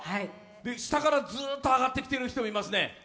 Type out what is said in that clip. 下からずっと上がってきてる人もいますね。